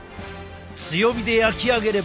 強火で焼き上げれ